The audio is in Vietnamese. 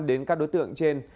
đến các đối tượng trên